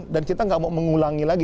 dan kita gak mau mengulangi lagi